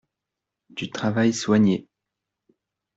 Du travail soigné.